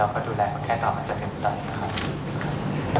เราก็ดูแลกันแค่ตอนจะเป็นตัยนะครับ